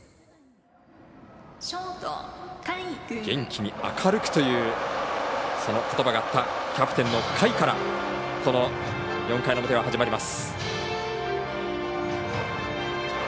元気に明るくというそのことばがあったキャプテンの甲斐からこの４回の表は始まります。